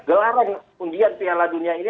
gelaran undian piala dunia ini